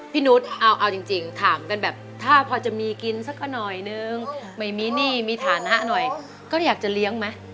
นุษย์เอาจริงถามกันแบบถ้าพอจะมีกินสักหน่อยนึงไม่มีหนี้มีฐานะหน่อยก็อยากจะเลี้ยงไหม